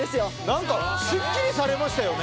何かすっきりされましたよね。